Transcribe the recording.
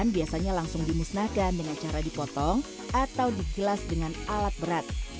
biasanya langsung dimusnahkan dengan cara dipotong atau digilas dengan alat berat